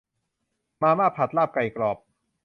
มาม่าผัดลาบไก่กรอบ